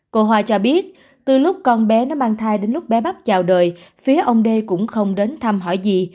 cô hòa cho biết từ lúc con bé nó mang thai đến lúc bé bắp chào đời phía ông đê cũng không đến thăm hỏi gì